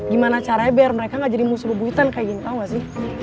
gimana caranya biar mereka gak jadi musuh buwitan kayak gini tau gak sih